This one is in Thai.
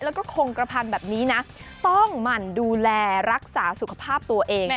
แล้วก็คงกระพันธุ์แบบนี้นะต้องหมั่นดูแลรักษาสุขภาพตัวเอง